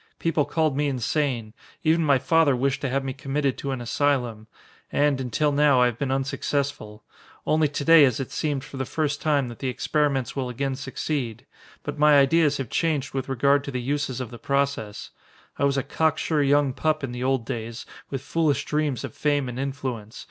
People called me insane even my father wished to have me committed to an asylum. And, until now, I have been unsuccessful. Only to day has it seemed for the first time that the experiments will again succeed. But my ideas have changed with regard to the uses of the process. I was a cocksure young pup in the old days, with foolish dreams of fame and influence.